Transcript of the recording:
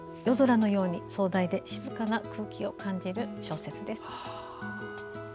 夜空のように壮大で静かな空気を感じる小説です。